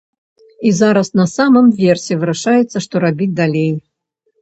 І зараз на самым версе вырашаецца, што рабіць далей.